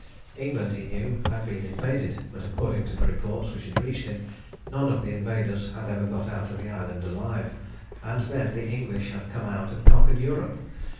England, he knew, had been invaded, but according to the reports which had reached him, none of the invaders had ever got out of the island alive, and then the English had come out and conquered Europe.